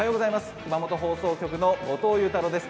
熊本放送局の後藤佑太郎です。